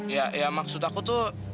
ya ya maksud aku tuh